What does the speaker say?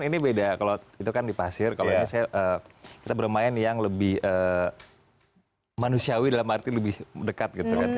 ini beda kalau itu kan di pasir kalau ini kita bermain yang lebih manusiawi dalam arti lebih dekat gitu kan